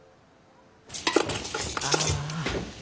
ああ。